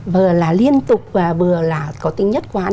vừa là liên tục và vừa là có tính nhất quán